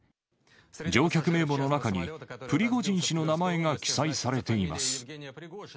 乗客名簿の中にプリゴジン氏の名前が記載されています。